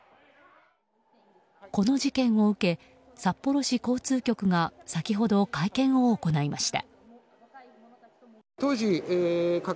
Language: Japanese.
この事件を受け、札幌市交通局が先ほど会見を行いました。